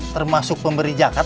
termasuk pemberi zakat